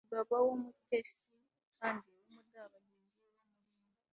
umugabo w'umutesi kandi w'umudabagizi wo muri mwe